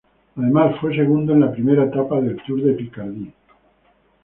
Además fue segundo en la primera etapa del Tour de Picardie.